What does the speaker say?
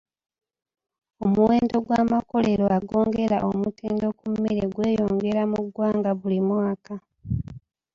Omuwendo gw'amakolero ag'ongera omutindo ku mmere gweyongera mu ggwanga buli mwaka.